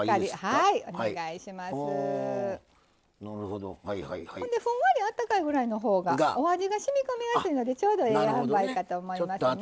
ほんでふんわりあったかいぐらいのほうがお味がしみこみやすいのでちょうどええあんばいかと思いますね。